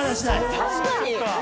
確かに。